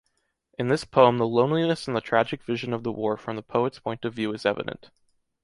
In this poem the loneliness and the tragic vision of the war from the poet’s point of view is evident.